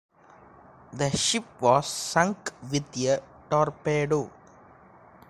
The ship was sunk with a torpedo.